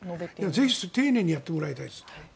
ぜひ、丁寧にやってもらいたいです。